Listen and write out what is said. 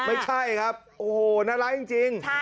ไม่ใช่ครับโอ้โหน่ารักจริง